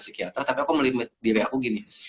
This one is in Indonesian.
psikiater tapi aku melimit diri aku gini